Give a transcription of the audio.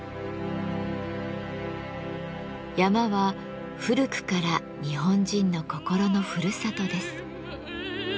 山は古くから日本人の心のふるさとです。